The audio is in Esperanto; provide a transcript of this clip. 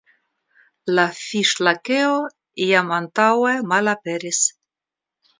La Fiŝ-Lakeo jam antaŭe malaperis.